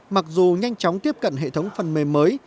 mặc dù nhanh chóng tiếp cận hệ thống phần mềm mới